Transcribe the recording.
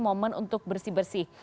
momen untuk bersih bersih